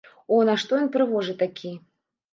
О, нашто ён прыгожы такі!